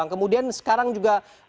kemudian sekarang juga